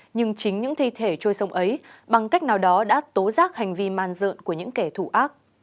nhưng chính những thi thể trôi sông ấy bằng cách nào đó đã tố giác hành vi màn dợn của những kẻ thủ ác